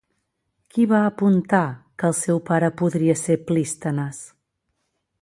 Qui va apuntar que el seu pare podria ser Plístenes?